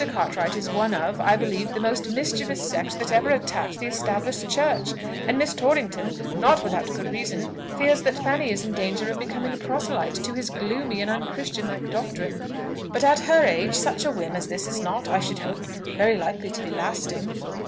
Cartwright is one of, I believe, the most mischievous sect that ever attacked the established Church; and Miss Torrington, not without good reason, fears that Fanny is in danger of becoming a proselyte to his gloomy and unchristianlike doctrine. But, at her age, such a whim as this is not, I should hope, very likely to be lasting."